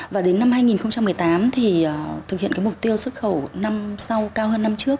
và đến năm hai nghìn một mươi tám thì thực hiện mục tiêu xuất khẩu năm sau cao hơn năm trước